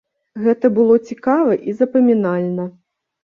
Гэта было цікава і запамінальна.